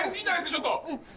ちょっと！